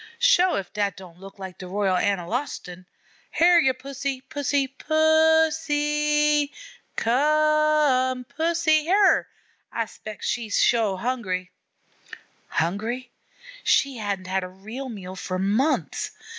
"Sho ef dat don't look like de Royal Ankalostan! Hyar, Pussy, Pussy, Pu s s s s y! Co o o o m e, Pu u s s sy, hyar! I 'spec's she's sho hungry." Hungry! She hadn't had a real meal for months.